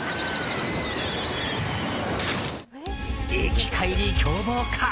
生き返り、凶暴化。